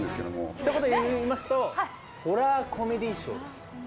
ひと言で言いますと、ホラーコメディーショーです。